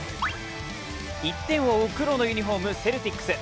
１点を追う黒のユニフォーム、セルティックス。